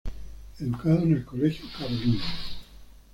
Educado en el Colegio Carolino.